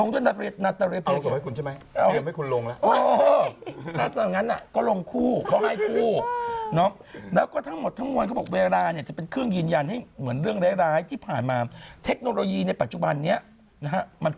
เออเอาลงศพเล็กมาให้ใช่ไหม